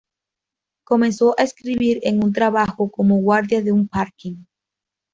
Comenzó a escribir en un trabajo como guardia de un parking.